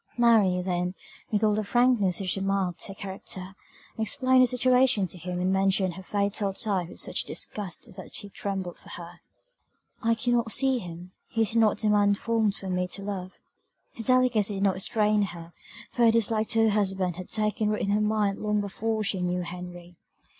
Mary, then, with all the frankness which marked her character, explained her situation to him and mentioned her fatal tie with such disgust that he trembled for her. "I cannot see him; he is not the man formed for me to love!" Her delicacy did not restrain her, for her dislike to her husband had taken root in her mind long before she knew Henry.